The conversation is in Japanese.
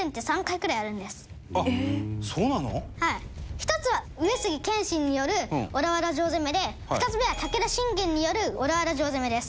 １つは上杉謙信による小田原城攻めで２つ目は武田信玄による小田原城攻めです。